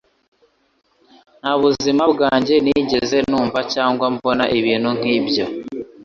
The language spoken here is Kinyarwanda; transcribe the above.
Nta buzima bwanjye nigeze numva cyangwa mbona ibintu nk'ibyo